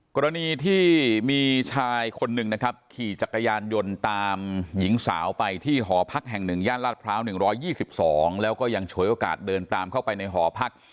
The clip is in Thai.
กรณีที่มีชายคนหนึ่งนะครับขี่จักรยานยนต์ตามหญิงสาวไปที่หอพักแห่ง๑ย่านลาดพร้าว๑๒๒แล้วก็ยังฉวยโอกาสเดินตามเข้าไปในหอพัก